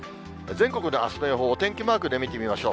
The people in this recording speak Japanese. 全国のあすの予報、お天気マークで見てみましょう。